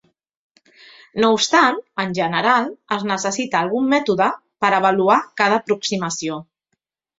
No obstant, en general, es necessita algun mètode per avaluar cada aproximació.